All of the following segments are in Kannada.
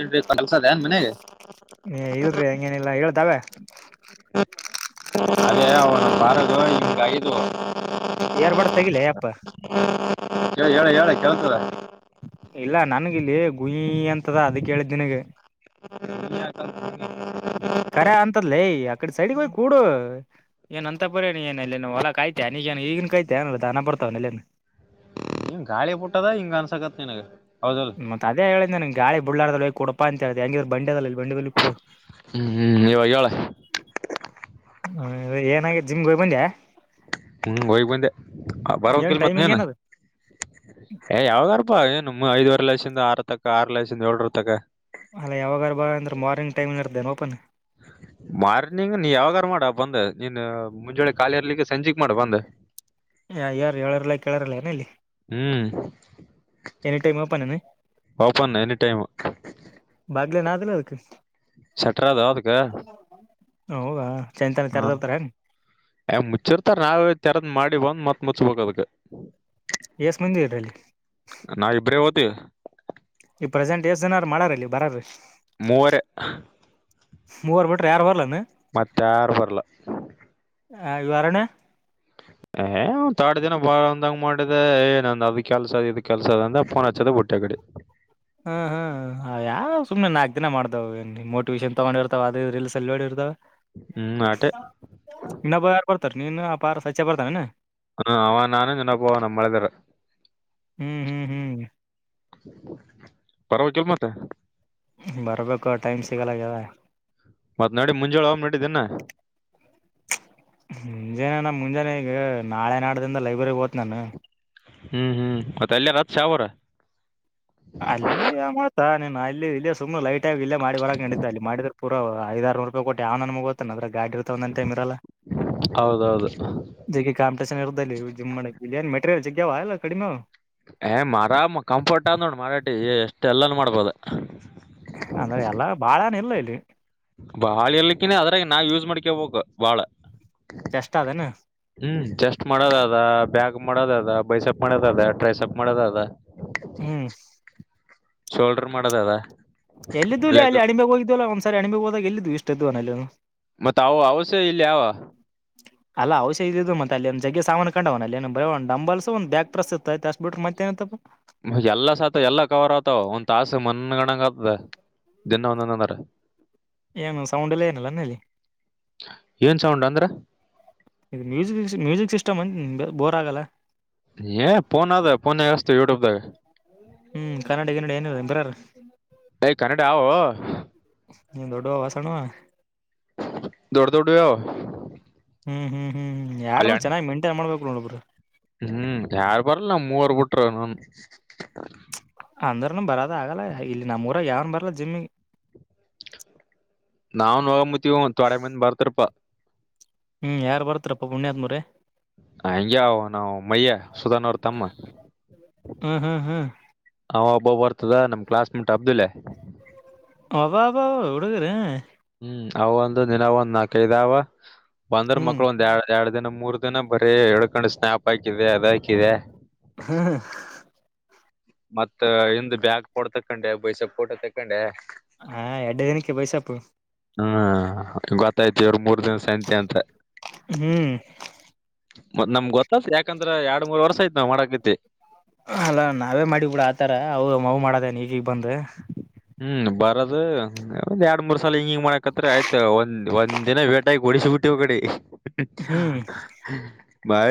ಏನ್ರಿ ಕಲ್ಸದ ಏನ್ ಮನೆಗೆ ಹೇ ಇಲ್ರಿ ಹೆಂಗೇನಿಲ್ಲ ಹೇಳ್ದಾವೆ. [unintelligible] ಇಯರ್ಬಡ್ಸ್ ತಗಿಲ್ಲೆ ಯಪ್ಪ. ಹೇಳ ಹೇಳ ಹೇಳ ಕೇಳ್ಸ್ತದೆ. ಇಲ್ಲ ನನ್ಗ ಇಲ್ಲಿ ಗುಯಿ ಅಂತದ ಅದಕೆ ಹೇಳಿದ್ದ ನಿನಗ. [inaudible] ಖರೆ ಅಂತಲೇ ಅದ. ಆ ಕಡೆ ಸೈಡ್ ಹೋಗ್ ಕೂಡು ಏನ್ ಅಂತ ಬರೇ ಏನ್ ಹೊಲ ಕಾಯ್ತ್ಯ ಈಗೇನ್ ಕಾಯ್ತ್ಯ ಧನ ಬರ್ತ [unintelligible] ತ ಅಲ್ಲೇನೆ. ಹ ಗಾಳಿ ಬಿಟ್ಟದ ಹಿಂಗ ಅನ್ಸಕತ್ ನಿನಗ. ಹೌದಲ್ ಮತ್ತತ್ ಅದೇ ಹೇಳಿದೆ ನಿನಗೆ ಗಾಳಿ ಬುಳ್ಳಾರ್ದ ಕುಡಪಾ ಅಂತ ಹೇಳ್ದ ಹೆಂಗಿದ್ ಬಂಡಿ ಅದ ಅ ಬಂಡಲಲ್ಲಿ ಕುಡು. ಹ್ಮ್ ಹ್ಮ್ ಇವಾಗ ಹೇಳ. ಹ ಏನಾಗ ಜಿಮ್ಗೆ ಹೋಗಿ ಬಂದ್ಯಾ. ಹ್ಮ್ ಒಗ್ ಬಂದೆ ಏನ್ ಬರಕಿಲ್ ಮತ್ ಟೈಮಿಂಗ್ ನೀನು. ಏನದು ಏ ಯಾವಾಗಾರ್ಪ ಏನುಮ್ ಐದುವರೆ ಲಾಶಿಂದ ಆರು ತಕ್ಕ ಆರು ಲಶಿಂದ ಏಳ್ ರು ತಕ್ಕ. ಅಲ್ಲ ಯಾವಾಗಾರ ಬಾ ಅಂದ್ರ ಮಾರ್ನಿಂಗ್ ಟೈಮ್ ಇರ್ತೇನೆ ಓಪನ್ ಹ [inaudible] ಮಾರ್ನಿಂಗ್ ನೀ ಯಾವಾಗಾರ ಮಾಡ ಬಂದು ನೀನ್ ಮುಂಜಳೆ ಕಾಲಿ ಇರ್ಲಿಕ್ಕೆ ಸಂಜೆಕ್ ಮಾಡ ಬಂದು. ಹ ಯಾರು ಏಳಾರ ಇಲ್ಲ ಕೇಳಾರಿಲ್ಲ ಏನು ಇಲ್ಲಿ ಹ್ಮ್ ಎನಿ ಟೈಮ್ ಓಪನ್ ಏನ. Open any time. ಇಲ್ಲ ನಾದಲ್ಲ ಅದಕ್ಕೆ. ಸಟ್ರಾದ ಅದಕ್ಕೆ. ಹೌದ. ಹಾ ಮುಚ್ಚಿರ್ತಾರ ನಾವ ತೆರದ್ ಮಾಡ ಬಂದ್ ಮತ್ ಮುಚ್ ಬೇಕಾದಕ್ಕೆ. ಎಸ್ ಮಂದಿ ಇದರಲ್ಲಿ. ಹಟ್ಟಿ [unintelligible] ಈ ಪ್ರಸೆಂಟ್ ಏಸ್ ಜನಾರ ಮಾಡಾರ ಅಲ್ಲಿ ಬರಾರ್ರು. ಮೂವರೇ ಮೂವರ್ ಬಿಟ್ರೆ ಯಾರು ಬರಲೇನ. ಮತ್ತ್ ಯಾರು ಬರಲ್ಲ ಹ ಇವರಣೆ. [inaudible] ಏ ಒ ತಾಡು ದಿನ ಬಂದಂಗ ಮಾಡಿದೆ ಏನಂದ್ ಅದ್ ಕೆಲ್ಸ ಇದ್ ಕೆಲ್ಸ ಅದ ಅಂದ ಪ್ಪೋನ್ ಹಚ್ಚೋದೆ ಬಿಟ್ಟೆ ಆ ಕಡೆ. [inaudible] ಹ್ಮ್ ಹ್ಮ್ ಯಾ ಸುಮ್ಮನೆ ನಾಕ್ ಕ [unintelligible] ದಿನ ಮಾಡ್ದೇವು ಏನ್ ಮೋಟಿವೇಷನ್ ತಗೊಂಡಿರ್ತಾವ ಅದು ಇದು ರೀಲ್ಸ್ ನಲ್ಲಿ ನೋಡಿರ್ತವ. ಹ್ಮ್ ಆಟೆ. [unintelligible] ನೀನು ಅಪಾರ ಪಚ್ಚೆ ಬರ್ತಾವೇನ. ಹಾ ಅವ ನಾನು ಜನಪವ ನಮ್ಮ ಮಳೆಗಾರ. ಹ್ಮ್ ಹ್ಮ್ ಹ್ಮ್. ಬರ್ಬೇಕಿಲ್ ಮತ್ತೆ. ಬರ್ಬೇಕು ಟೈಮ ಸಿಗೋಲೋಲ್ ಅಗದ. ಮತ್ ನಡಿ ಮುಂಜಾಳ ಹೋಗ್ ನಡಿದಿನ ಮುಂಜಾನೆಗ ನಾ ಮುಂಜಾನೆಗೆ ನಾಳೆ ನಾಡದಿಂದ ಲೈಬ್ರರಿಗ್ ಹೋತ್ ನಾನು. ಹ್ಮ್ ಹ್ಮ್ ಮತ್ತೆ ಅಲ್ಲಿಯ ರತ್ ಶ ಊರ. ಅಲ್ಲಿ ಮಾಡ್ತ ನೀನು ಅಲ್ಲಿ ಇಲ್ಲೇ ಸುಮ್ನೆ ಲೈಟ್ ಆಗಿ ಇಲ್ಲೇ ಮಾಡಿ ಬರಕ ನಡಿದ್ದೆ ಅಲ್ಲಿ ಮಾಡಿದ್ರೆ ಪೂರಾ ಐದಾರ. ಆರನೂರು ರೂಪಾಯಿ ಕೊಟ್ಟು ಯಾವ ನನ್ಮಗ ಹೋಗತ್ತ ನೆ ಅದ್ರ ಗಾಡಿ ಇರ್ತಾವ ಒಂದೊಂದು ಟೈಮ್ ಇರಲ್ಲ. ಹೌದೌದು ಜಗ್ಗೀ ಕಾಂಪಿಟೇಶನ್ ಇರುತ್ತಲೇ ಜಿಮ್ ಮಾಡಕ್ಕೆ ಇಲ್ಲೇನ್ ಮೆಟೀರಿಯಲ್ ಸಿಕ್ಕವ್ವ ಇಲ್ಲ ಕಡಿಮೆ ಅವಾ. ಏ ಮರಾಮ ಕಂಫೋರ್ಟ್ ಆದ ನೋ ಮರಾಠಿ ಎಷ್ಟ ಎಲ್ಲಾನು ಮಾಡ್ಬೋದ. ಅಂದ್ರೆ ಎಲ್ಲ ಬಾಳೇನ ಇಲ್ಲ ಇಲ್ಲಿ. ಬಾಳ ಎರ್ಲಿಕ್ಕಿನ ಅದ್ರಾಗ ನಾವ್ ಯೂಸ್ ಮಾಡ್ಕೋಬೇಕ ಬಾಳ. ಜಸ್ಟ್ ಅದೇನ ಹ್ಮ್ ಚಸ್ಟ್ ಮಾಡೋದ ಅದ. ಬ್ಯಾಕ್ ಮಾಡೋದ ಅದ ಬೈಸೆಪ್ ಮಾಡೋದ ಅದ ಟ್ರೈಸಪ್ ಮಾಡೋದ ಅದ. ಹ್ಮ ಶೋಲ್ಡರ್ ಮಾಡೋದ ಅದ. ಎಲ್ಲಿದ್ದುಲ್ಲೋ ಲೆಗ್ ಅಲ್ಲಿ ಅಣಮೆಗೆ ಹೋಗಿದ್ದ್ವಲ್ಲ ಒಂದ್ಸಾರಿ ಅಣಮೆ ಹೋದಾಗ ಎಲ್ಲ ಇದ್ವೊ ಇಷ್ಟ್ಇದ್ವೇನೋ ಅಲ್ಲಿನು. ಮತ್ತೆ ಅವು ಅವಸ ಇಲ್ಲೇವ. ಅಲ್ಲ ಔಷ ಇದ ಇ ಮತ್ತ ಅಲ್ಲಿ ಒಂದ ಜ್ಜಗೀ ಸಾಮಾನ ಇಟಕಂಡವನ ಅಲ್ಲಿ ಬರೀ ಒಂದು ಡಂಬಲ್ಸ ಒಂದ ಬ್ಯಾಕ್ ಪ್ರೆಸ್ ಇತ್ತ ಅಷ್ಟ ಬಿಟ್ಟ್ರೇ ಮತ್ತೆನತ್ತಪ್ಪ. ಎಲ್ಲ ಸತ್ ಎಲ್ಲ ಕವರ್ ಆತಾವ ಒಂದ್ ತಾಸು ಮನ್ಗಣಂಗ ಆತದ. ಇನ್ನ ಒಂದಂದಂದರ ಏನು ಸೌಂಡ ಎಲ್ಲ ಏನಲ್ಲನಲ್ಲಿ ಏನ್ ಸೌಂಡ್ ಅಂದ್ರ ಇದು ಮ್ಯೂಸಿಕ್ ಮ್ಯೂಸಿಕ್ ಸಿಸ್ಟಮ್ ಅ ಬೋರ್ ಆಗಲ್ಲ ಏ ನ್ ಅದ ಪೋನ್ ಎಸ್ತು ಯೂಟ್ಯೂಬ್ಗ ಹ್ಮ್ ಕನ್ನಡಿಗ ನಡಿ ಏನ ಬರ್ರ ಏ ಕನ್ನಡಿ ಅವು ನಿ ದೊಡೋ ವಾಸಣವ ದೌಡ ದೌಡ ಅವಾವ ಹ್ಮ್ ಹ್ಮ್ ಹ್ಮ್ ಯಾರು ಚೆನ್ನಾಗಿ ಮೇಂಟೈನ್ ಮಾಡ್ಬೇಕು ನೋಡಬರು ಹ್ಮ್ ಯಾರು ಬರಲ್ಲ ನ ಮೂವರ್ ಬಿಟ್ರ ಅಂದ್ರನು ಬರದ ಆಗಲ್ಲ ಇಲ್ಲಿ ನಮ್ಮೂರಾಗ ಯಾವನ್ ಬರಲ್ಲ ಜಿಮಿಗೆ ನಾವ್ ನೋಗಂಬತಿವ ತೊಡೆ ಮಂದಿ ಬರ್ತಾರಪಾ ಹ್ಮ್ ಯಾರು ಬರ್ತ್ತಪ್ಪಾ ಪುಣ್ಯ ಆದತ್ ಮರಿ ಹಂಗೆ ಅವ ನಾವು ಮಯ್ಯ ಸುಧಾನ್ ಅವ್ರ ತಮ್ಮ ಹ್ಮ್ ಹ್ಮ್ ಹ್ಮ್ ಹಾ ಅಬ್ಬ ಬರ್ತದ ನಮ ಕ್ಲಾಸ್ಮೇಟ್ ಅಬ್ದುಲೆ ಒಬಬ ಎಡುಗರ ಹ್ಮ್ ಅವ ಒಂದು ದಿನ ಒಂದ್ ನಾಲ್ಕೈ ಇದದಾವ ಬಂದ್ರ ಹ್ಮ್ ಮಕ್ಳು ಒಂದ್ ಎ ಎ ಇದನ್ನು ಮೂರ್ ದಿನ ಬರೀ ಹೇಳ್ಕೊಂಡು ಸ್ನಾಪ್ ಹಾಕಿದೆ ಅದ ಹಾಕಿದೆ ಹಾ ಹಾ ಮತ್ತ ಹಿಂದ ಬ್ಯಾಗ್ ಪಡ್ತಕೊಂಡೆ ಬೈಸಕ್ ಕೋಟ ತಕೊಂಡೆ ಹಾ ಎರಡ್ಡು ದಿನಕ್ಕೆ ಬೈಸಪ್ಪು ಹ್ಮ ಗೊತ್ತಾಯ್ತಿ ಇವರು ಮೂರ್ ದಿನ ಸಂಂತೆ ಅಂತ ಹ್ಮ್ ಮ ನಮ್ ಗೊತ್ತತ್ ಯಾಕಂದ್ರ ಎರಡ್ ಮೂರ್ ವರ್ಷ ಆಯ್ತ್ ನಾವ್ ಮಾಡಕತಿ ಅಲ್ಲ ನಾವೇ ಮಾಡಿ ಬಿಡ ಆತರ ಅವು ಮಾವು ಮಾಡದೇನ್ ಈಗೀಗ್ ಬಂದ ಹ್ಮ್ ಬರದು ಒಂದ್ ಎರಡ್ ಮೂರ್ ಸಲ ಹಿಂಗ ಹಿಂಗ ಮಾಡಕತ್ ಆಯ್ತ ಒಂದ್ ಒಂದ್ನ ವೇಟ ಡಿಶಿ ಬುಟ್ಟಿ ಒ ಕಡೆ ಹ್ಮ್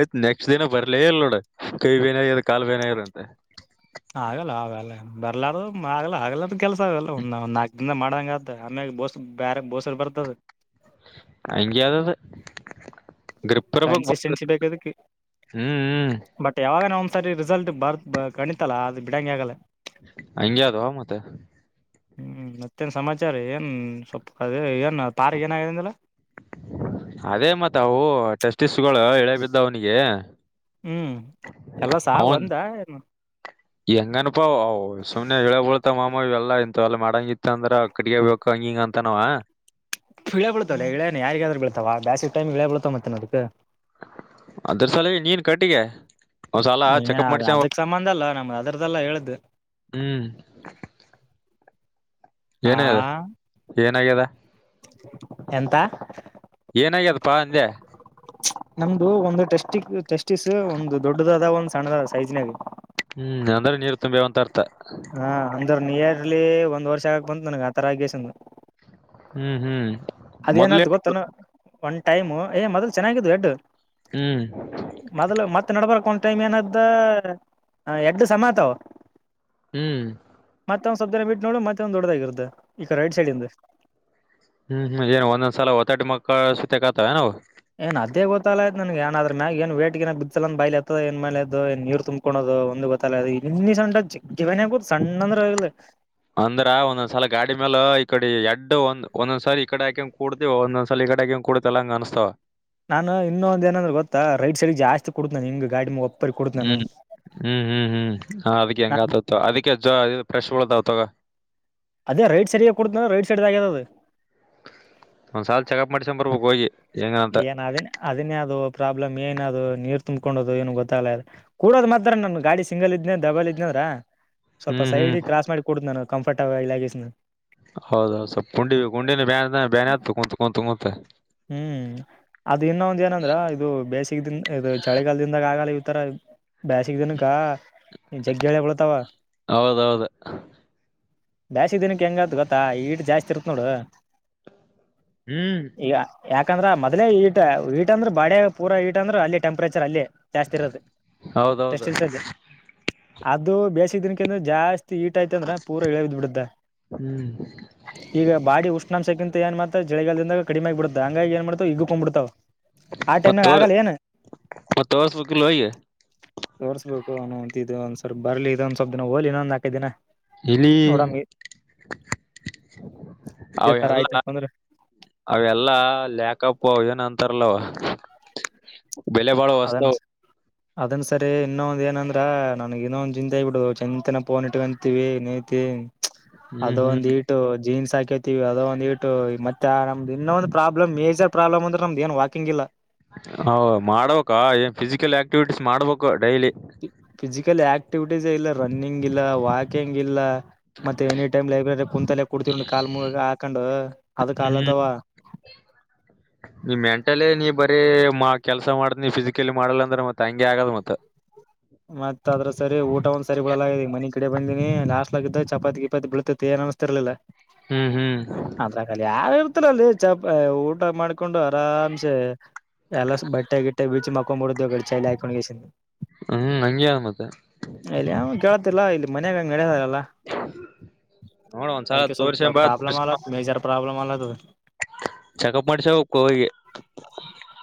ಯ್ತ್ ನೆಕ್ಸ್ಟ್ ದಿನ ಬರ್ಲಿ ಇಲ್ ನೋಡ ಕೈ ಬೇನಗ ಕಾಲು ಬೇನಗರ ಅಂತೆಂತ ಆಗಲ್ಲ ಆಗಲ್ಲ ಬರ್ಲಾರ ಆಗ್ಲ ಆಗಲ್ಲಾರ ಕೆಲಸ ಆಗಲ್ಲ ಒಂದ ಒಂದ್ ನಾಕಕ್ ದಿಂದ ಮಾಡಂಗ್ದ ಆಮೇಲೆ ಬೋಸ್ ಬೇರೆ ಬೋಸರ್ ಬರ್ತದ ಅಗೆದದು ಗೃಪ್ರಭ ಕನ್ಸಿಸ್ಟೆನ್ಸಿ ಬೇಕದಕ್ಕೆ ಹ್ಮ್ ಸರಿ ರಿಸಲ್ಟ್ ಬರ್ ಕಣಿತಲ್ಲ ಅದು ಬಿಡಂಗಗೆ ಆಗಲ್ಲ ಅಯದು ಅವ ಮತ್ತ ಹ್ಮ್ ಮತ್ತೇನ್ ಸಮಾಚಾರ ಏನ್ ಸ್ಪ್ಪ ಏನ್ ತಾರ್ ಏನಗಿಂದಿಲ್ಲ ಅದೇ ಮತ್ತ ಅವು ಟೆಸ್ಟ್ಟಗಳು ಇಳೆ ಬಿದ್ದ ಅವ್ನಿಗೆ ಹ್ಮ್ ಎಲ್ಲ ಸಹ ಒಂದ ಏನು ಹೆಂಗನಪಾ ಸುಮ್ನೆ ಹೇಳ ಬಳ್ತ ಮಾಮ ಇವೆಲ್ಲಾ ಇಂತ ಅಲ್ಲ ಮಾಡಂಗ ಇತ್ತ ಅಂದ್ರ ಕಡಿಗ ಬೇಕ ಹಂಗ ಅಂತನವಾ ಇಳೆ ಬಳಳ್ತವಲ್ಲ ಇಳೇ ಯಾರಿಗಾದ್ರರು ಬೀಳ್ತಾವ ಬಾಸ ಟಮಗೆಳ ಬಳತಾವ ಮತ್ತೆ ನ ಅದಕ್ ಅದರ ಸಲ ನೀನ ಕಟ್ಟಿಗ ಏ ಅದ ಅದಕ ಸಂಬಂಧ ಅಲ್ಲ ಅದರ್ದಲ್ಲ ಹೇಳಿದ್ದು ಹು ಹಾ ಏನದ ಏನಗ್ಯಾದ ಎಂತಾ ಏನಾಗ್ಯದಪ್ಪಾ ಅಂದೆ ಇದು ಒಂದು ಟೆಸ್ಟಿ ಟೆಸ್ಟಿಸ್ ಒಂದು ದೊಡ್ಡದಾದ ಒಂದು ಸಣ್ಣದ ಸೈಜ್ ನಾಗ ಹು ಅದರದ ನೀರ ತುಂಬ್ಯಾವ ಅಂತ ಅರ್ ಹಾ ಅಂದ್ರ ನಿಯರ್ಲಿ ಒಂದು ವರ್ಷ ಆಗಕ ಬಂತು ನನಗ ಆತರಾಗ್ಯಸಂದ ಹು ಹು ಅದೇನಾಯ್ತ ಗೊತ್ತ ಏನ ಒಂದು ಟೈಮು ಏ ಮೊದಲ ಚೆನ್ನಾಗಿದ್ದು ಲಡ್ಡು ಹ್ಮ್ ಮೊದಲ ಮತ್ತ ನಡಬರಕ್ ಒಂದು ಟೈಮ್ ಏನಾಯ್ತ ಎಂಟು ಸಮತಾವ ಹು ಮತ್ತೊಂದ ಸ್ವಲ್ಪ ದಿನ ಬಿಟ್ಟು ನೋಡು ಮತ್ತೊಂದು ದೊಡ್ಡದಾಗಿರುತ್ತೆ ಈಕ ರೈಟ್ ಸೈಡ್ ಇಂದ ಹು ಹು ಏನು ಒಂದೊಂದ ಸಲ ಹೊತ್ತಾಟ ಮಕ್ಕಳ ಸುತ್ತತೆ ಕಾಣುತವೇನು ಅವ ಏನ್ ಅದೇ ಗೊತ್ತಲಯ್ತ ನನಗ ಅದರ ಮ್ಯಾಗ ಏನ ವೇಟ್ ಗೇನ್ ಬಿಚ್ಚಲ ಅಂತ ಬೈಲತ್ತದ ಏ ಮಾಡಲತ್ತದ ಅದು ಏ ನೀರ ತುಂಬಕೊನೋದು ಒಂದು ಗೊತ್ತಾಲದ ಇನ್ನ ಸಣ್ಣ ಜೀವನ ಆಗ್ಬಹುದು ಸಣ್ಣ ಅಂದ್ರ ಅಂದ್ರ ಒಂದೊಂದ್ಸಲ ಗಾಡಿ ಮೇಾಲ ಈಕಡೆ ಎಡ್ ಒಂದ್ ಒಂದೊಂದ್ಸರಿ ಈ ಕಡೆ ಹಾಕಂಗ ಕೂಡ್ತಿವ ಒಂದೊಂದ್ಸಲ ಈಕಡೆ ಗೆನ ಕೊಡತಲ್ಲ ಹಾಂಗ ಅನಸತಾವ ನಾನು ಇನ್ನೊಂದ ಏನಂದ್ರೆ ಗೊತ್ತಾ ರೈಟ್ ಸೈಡ್ ಜಾಸ್ತಿ ಕುಡತ ಹಿಂಗ್ ಗಾಡಿ ಒಪ್ಪರಿಗೆ ಕುಡತ ನಾನ ಹು ಹು ಹು ಅದಕ್ಕೆ ಹಂಗಾಯ್ತ ಅಂತ ಅದಕ್ಕೆ ಅಜ್ಜ ಫ್ರೆಶ್ ಹೋಳದ ತೋಗ ಅದೇ ರೈಟ್ ಸರಿಯಾಗಿ ಕೊಡತ ರೈಟ್ ಸರಿಯಾಗೋದದ ಮಾಡಿಸಿಕೊಂಡು ಬರಬೇಕು ಹೋಗಿ ಹೆಂಗಂತ ಏನ್ ಅದನ್ನ ಅದನ್ನ ಯಾದೂ ಪ್ರಾಬ್ಲಮ್ ಏನ ಅದು ನೀರ ತುಂಬಕೊಂಡೋದು ಏನ ಗೊತ್ತಾಗಲಾರ ಕೂಡದ ಮಾತ್ರ ನನ್ನ ಗಾಡಿ ಸಿಂಗಲ್ ಇದ್ನನೆ ಡಬಲ್ ಇದ್ನಂದ್ರ ಸ್ವಲ್ಪ ಹ್ಮ್ ಸೈಡ್ ಹ್ಮ್ ಕ್ರಸ್ ಮಾಡಿ ಕೊಡುದ ನಾನು ಕಂಫರ್ಟ್ ಇಳಿಯಾಕ್ ಈಸಿ ಹೌದು ಹೌದು ಸ್ವಲ್ಪ ಕುಂಡಿ ಕುಂಡಿ ನೋ ಬ್ಯಾನತ ಕುಂತ ಕುಂತ ಕುಂತ ಹು ಅದು ಇನ್ನೊಂದ ಏನಂದ್ರ ಇದು ಬೇಸ- ಇರುವುದರಿಂದ ಇದು ಚಳಿಗಾಲದಿಂದಾಗ ಆಗಲ್ಲ ಇವತರ ಬೇಸಿಗ ದಿನಕ್ಕ ಜಗ ಎಲಿ ಗ ಬೀಳ್ತಾವ ಹೌದೌದು ಬ್ಯಾಸಗಿ ದಿನಕ್ಕೆ ಹೆಂಗ ಆಗೊತ್ತಾ ಹೀಟ್ ಜಾಸ್ತಿ ಇರುತ್ತ ನೋಡು ಹು ಈಗ ಯಾಕಂದ್ರ ಮೊದಲೇ ಹೀಟ್ ಹೀಟ್ ಬಾಡಿ ಪೂರಾ ಹೀಟ್ ಅಂದ್ರ ಅಲ್ಲಿ ಟೆಂಪರೇಚ ಅಲ್ಲಿ ಜಾಸ್ತಿ ಇರೋದು ಸ್ಟೆಪ್ ಹೌದೌದು ಸಿಲಸ ತಂದಿ ಅದು ಬೇಸಿಗೆ ದಿನಕಂದ್ರ ಜಾಸ್ತಿ ಹೀಟ್ ಆಯ್ತಂದ್ರ ಪೂರಾ ಇಳಿದ್ಬಿಡುತ್ತ ಹ್ಮ್ ಈಗ ಬಾಡಿ ಉಷ್ಣ ನಮ್ಮ ಶೇಖನ ತಯಾಂದ ಚಳಿಗಾಲದ ಕಡಿಮೆ ಯಾಗಿ ಬಿಡ್ತ ಹಾಂಗಾಗಿ ಹಿಗುರ್ಕೊಂಡ್ ಬಿಡ್ತವ ಮತ್ತ ಹೋಗರಿ ತೋರ್ಸ್ಬೇಕಿಲ್ಲ ಹೋಗಿ ತೋರಿಸಬೇಕು ಅವನೌನ್ ಇದೊಂದ್ ಸ್ವಲ್ಪ ಬರ್ಲಿ ಇದ ಒಂದ ಸ್ವಲ್ಪ ದಿನ ಹೋಗಲಿ ಇನ್ನೊಂದ ನಾಲ್ಕು ಐದು ದಿನ ಇಳಿ ನೋಡಮ್ ಇದೇ ತರ ಆಯ್ತಪ್ಪ ಅಂದ್ರ ಅವೆಲ್ಲಾ ಲ್ಯಾಕಪ್ ಅವ ಏನ ಅಂತಾರಲ್ಲವ ಬೆಲೆಬಾಳು ವಸ್ತು ಅದನ್ನ ಸರಿ ಇನ್ನೊಂದ ಏನಂದ್ರ ನನಗ ಇನ್ನೊಂದು ಚಿಂತೆ ಆಗ್ಬಿಟ್ಟದ್ದು ಚಂತನ ಫೋನ್ ಇಟ್ಕಂತೀವಿ ನೀಲತಿವಿ ಹ್ಮ್ ಅದು ಹ್ಮ್ ಒಂದು ಹಿಟ್ ಜೀನ್ಸ್ ಹಾಕೇತಿವಿ ಅದೊಂದ ಹೀಟ್ ಮತ್ತ ನಮ್ದ ಇನ್ನೊಂದು ಪ್ರಾಬ್ಲಮ್ ಮೇಜರ ಪ್ರಾಬ್ಲಮ್ ಅಂದರ ನಮ್ದ ಏನ್ ವಾಕಿಂಗ್ ಇಲ್ಲ ಹೌ ಮಾಡಬೇಕ ಫಿಸಿಕಲ್ ಆಕ್ಟಿವಿಟೀಸ್ ಮಾಡಬೇಕು ಡೈಲಿ ಫಿಸಿಕಲ್ ಆಕ್ಟಿವಿಟೀಸ್ ಇಲ್ಲ ರನ್ನಿಂಗ್ ಇಲ್ಲ ವಾಕಿಂಗ್ ಇಲ್ಲ ಮತ್ತೆ ಎನಿ ಟೈಮ್ ಲೈಬ್ರರಿ ಕುಂತಲೆ ಕುಡತಿವಿ ಕಾಲ್ ಮೇಲ ಕಾಲ ಹಾಕಂಡ್ ಅದಕ ಹ್ಮ್ ಕಾಲನೋವತಾವ ನೀ ಮೆಂಟಲ ನೀ ಬರ ಮಾಡ ಕೆಲ್ಸ ಮಾಡದ್ನಿ ಫಿಸಿಕಲಿ ಮಾಡಲ್ಲ ಅಂದ್ರ ಮತ್ತ ಹಂಗೆ ಆಗದ ಮತ್ತ ಮತ್ ಅದ್ರ್ ಸರಿಯಾಗಿ ಊಟ ಒಂದ್ ಸರಿ ಬಿಳಲ್ಲ ಈ ಮನಿ ಕಡೆ ಬಂದಿನಿ ಹಾಸ್ಟೇಲ್ಗಿದ್ದಾಗ ಚಪಾತಿ ಗಿಪಾತಿ ಬೀಳತ್ತಿತೋ ಏನೋ. ನಮಸ್ತೆ ಇರ್ಲ್ಲಲ್ಲ. ಹ್ಮ್ ಹ್ಮ್. ಹಾಸ್ಟೆಲ್ಲಲ್ಲಿ ಚಪಾತಿ ಊಟ ಮಾಡ್ಕೊಂಡು ಆರಾಮ್ಸೆ ಎಲ್ಲ ಬಟ್ಟೆ ಗಿಟ್ಟೆ ಬಚ್ಚಿ ಮಕೊಂಡು. ಕೊಂಬಿಡ್ ಚೈಲಿ ಆಯಕೊಂಡಿ. ಹ್ಮ ಹಂಗೆ ಮತ್ತೆ. ಇರ್ತಿದ್ವ ಇಲ್ಲಿ ಮನೆಗಂಗೆ ನಡೆಯಲ್ಲಾ. ನೋಡ ಒಂದ್ಸಲ ಅದಕ್ಕೆ ಸ್ವಲ್ಪ ತೋರ್ಸಂಬ ಪ್ರಾಬ್ಲಮ್ ಅಲತ್ ಮೇಜರ್ ಪ್ರಾಬ್ಲಮ್ ಅಲದು. ಚೆಕಪ್ ಮಾಡ್ಸ ಹೋಗಿ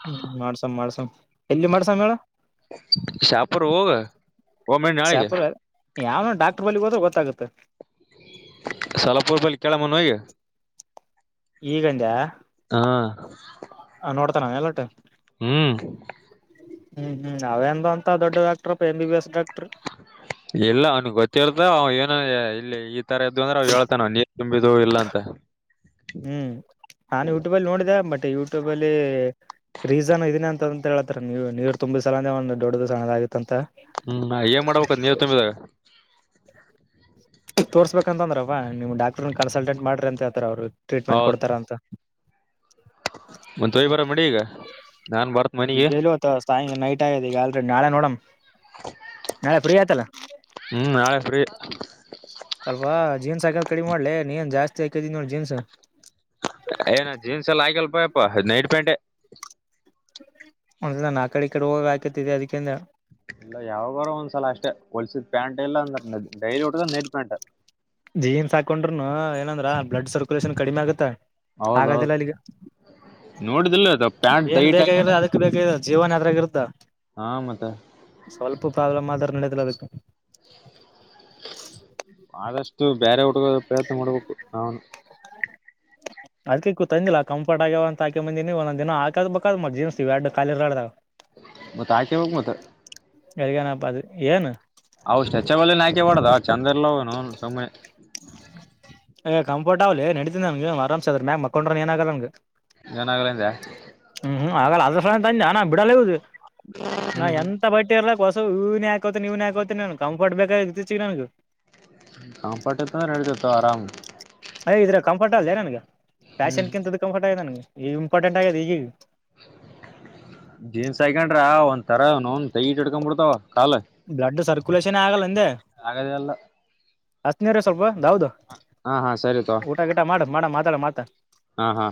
ಹ್ಮ್ ಮಾಡಸಂ ಮಾಡಸಂ. ಎಲ್ಲಿ ಮಾಡಸಂ ಹೇಳು. ಶಾಪುರ ಹೋಗಮೇನ್ ನಾಳೆಗೆ. ಶಾಪುರ ಯಾವನ ಡಾಕ್ಟರ್ ಬಳಿಗೆ ಹೋದ್ರೆ ಗೊತ್ತಾಗುತ್ತೆ. ಮನ್ ಹಗೆ. ಈಗಂಡ್ಯಾ ನೋಡ್ತಾನ ಎಲ್ಲೊಟು. ಹ್ಮ್. ಹ್ಮ್ ಹ್ಮ್ ಅವೇಂದ ಅಂತ ದೊಡ್ಡಕ್ಟರ್ಪ್ಪ ಎಂಬ ಬಿ ಎಸ್ ಡಾಕ್ರ್. ಇಲ್ಲ ಅವ್ನ ಗೊತ್ತಿರ್ತ ಅವ ಏನ ಇಲ್ಲಿ ಈ ತರ ಇದದ್ದು ಅಂದ್ರೆ ಅವ ಹೇಳ್ತಾನ ಅವನ್ ಅಲ್ಲಿ. ತುಂಬಿದು ಇಲ್ಲ ಅಂತ. ಹ್ಮ್ ನಾನು ಯೂಟ್ಯೂಬ ಅಲ್ಲಿ ನೋಡಿದೆ ಬಟ್ ಯೂಟ್ಯೂಬ ಅಲ್ಲಿ ರೀಸನ್ ಇದನ ಅಂತ. ಹೇಳತಾರೆ ನೀವು ನೀರ್ ತುಂಬಿ ಸಲ ಅಂದ್ರೆ ಒಂದು ದೊಡ್ಡ ದು ಸಣ್ಣದಾಗುತ್ತೆ. ಹ್ಮ್ ನಾ ಏನ್ ಮಾಡ್ಬೇಕು ನೀರು ತುಂಬಿದಾಗ. ತೋರ್ಸ್ಬೇಕಂತಂದ್ರ ನಿಮ ಡಾಕ್ರ್ನ್ ಕನ್ಸಲ್ಟೆಟ್ ಮಾಡ್ರಿ ಅಂತ ಹೇಳ್ತಾರೆ ಅವರು ಟ್ರೀಟ್ಮೆಂಟ್ ಕೊಡ್ತಾರ ಅಂತ ಮತೆ ಹೋಗಿಬರೋಣ ನಡಿ ಇವಾಗ ನೈಟ್ ಆಗ್ಯತ ಈಗ ಎಲ್ಲಿ ನಾಳೆ ನೋಡ್ [unintelligible] ಹ್ಮ್ ನಾಳೆ ಫ್ರೀ ಅಲ್ವಾ ಜೀನ್ಸ್ ಹಾಕದ್ ಕಡಿಮೆ ಮಾಡ್ಲೆ ನೀನ್ ಜಾಸ್ತಿ ಹಾಕಿದಿನಿ ನೋಡ ಜೀನ್ಸ್ ಏನ್ ಜೀನ್ಸ್ ಎಲ್ಲ ಆಯಕಲ್ಪಪ್ಪ ನೈಟ್ ಪ್ಯಾಂಟ್ ಒಂದ್ ನನ್ ಆ ಕಡೆ ಈ ಕಡೆ ಹೋಗೋ ಗ್ ಹಾಕೊತ್ತಿದೆ ಅದಕಂದ ಇಲ್ಲ ಯಾವಾಗಾರ ಒಂದ್ಸಲ ಅಷ್ಟೇ ಹೊಲ್ಸಿದ್ ಪ್ಯಾಂಟ್ ಎಲ್ಲ ಅಂದ ಡೈಲಿ ಹಟ್ಟ ನೆ ಪ್ಯಾಂಟ್ ಜೀನ್ಸ್ ಹಾಕೊಂಡ್ರುನು ಏನಂದ್ರೆ ಆ ಬ್ಲಡ್ ಸರ್ಕ್ಯುಲೇಷನ್ ಕಡಿಮೆ ಆಗತ್ತಾ ಹಾಗದಿಲ್ಲ ಹೌದೌದು ಅಲ್ಲಿಗೆ ನೋಡಿದಿಲ್ಲ ಅದು ಪ್ಯಾಂಟ್ ಏನ್ ಟೈಟ್ ಹಾಕೊಂಡ ಬೇಕಾಗಿರ್ ಅದಕ್ಕೆ ಬೇಕಾಗಿರ್ ಜೀವನ್ ಅದ್ರಾಗ ಇರ್ತ್ತ ಹಾ ಮತ್ತೆ ಸ್ವಲ್ಪ ಪ್ರಾಬ್ಲಮ್ ಆದ್ರೂ ನಡದಿಲ್ಲ ಆದಕ ಆದಷ್ಟು ಬೇರೆ ಹುಡುಗರ್ [unintelligible] ಅದಕ್ಕೆ ಕೂತಂದಿಲ್ಲ ಕಂಫರ್ಟ್ ಆಗ್ಯವಂತ್ ಹಾಕ್ ಬಂದಿನಿ ಒಂದೊಂದ್ ದಿನ ಹಾಕದ ಬೇಕಾದ್ [unintelligible] ಇವೆರಡು ಖಾಲಿ [unintelligible] ಮತ್ತ್ ಆಚೆ ಹೋಗ್ ಮತ್ ಎಲ್ಗೇನಪ್ಪ ಅದು ಏನ್. ಅವ್ ಸ್ಟ್ರೆಚೆಬಲ್ ಏನ್ ಆಯ್ಕೆ ಮಾಡ್ದ ಚಂದ ಇಲ್ಲೇನು ಅವು ಸುಮ್ನೆ. ಏ ಕಂಫರ್ಟ್ ಅವ್ಲೆ ನಡೀತಿದ್ದ ನನ್ಗೆ ಆರಾಮಸೆ ಆದ್ರ ಮ್ಯಾಗ ಮಕ್ಕೊಂಡ್ರನ್ ಏನ್ ಆಗಲ್ಲ ನನ್ಗೆ. ಏನಾದ್ರೂ ಅಂದಿಯಾ. ಹ್ಮ್ ಹ್ಮ್ ಆಗಲ್ಲ ಅದ್ರಂದ ಸಲುವಾಗೆ ಬಂದ್ಯಾನಾ ಬಿಡಲ್ಲ ಇವ್ದು ನಾ ಹ್ಮ್ ಎಂತ ಹ್ಮ್ ಬಟ್ಟಿಯಾರ್ [unintelligible] ಇವ್ನೇ ಹಾಕೋತೀನಿ ಇವ್ನೇ ಹಾಕೋತೀನಿ ಕಂಫರ್ಟ್ ಬೇಕಾಗಿರೋದು ಇತ್ತೀಚಿಗೆ ನನಗ್. ಕಂರ್ಪಟ್ ಇರ್ತಾವೆ ನಡೆತೀರ್ತವೆ ಆರಾಮ್ ಸೇ. ಅ ಇದ್ರ ಕಂಫರ್ಟ್ ಅಲ್ಲದೆ ನನ್ಗೆ ಹ್ಮ್ ಫ್ಯಾಷನ್ಗಿಂತು ಕಂಫರ್ಟ್ ಆಗಿದೆ ನನ್ಗೆ ಈ ಇಂಪಾರ್ಟೆಂಟ್ ಆಗಿದೆ ಈಗ್ ಜೀನ್ಸ್ ಹೈಕೊಂಡ್ರ ಒಂದ್ ತರ ಇವನ್ ಅವುನ್ ಟೈಟ್ ಹಿಡ್ಕೊಂಡ್ ಬಿಡ್ತಾವ್. ಬ್ಲಡೂ ಸರ್ಕುಲೇಷನ್ ಆಗಲ್ಲ. ಅಂದೆ ಆಗದೆ ಇಲ್ಲ. ಹತ್ನೀರ ಸ್ವಲ್ಪ ದೌದು ಹಾ ಸರಿ ತಗೋ ಊಟ ಗಿಟ ಮಾಡ್ ಮಾಡ್ ಮಾತಾಡ ಮಾತ್ ಹಾ ಹಾ.